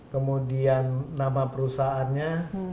kemudian nama perusahaannya